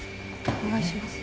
お願いします。